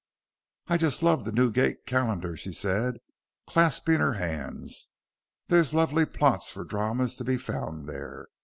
"I just love the Newgate Calendar," she said, clasping her hands. "There's lovely plots for dramas to be found there.